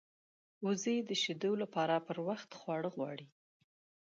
وزې د شیدو لپاره پر وخت خواړه غواړي